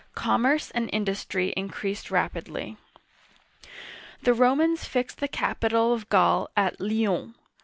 Commerce and industry in creased rapidly. The Romans fixed the capital of Gaul at Lyons.